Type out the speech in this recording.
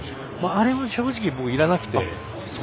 あれは正直僕いらなくて。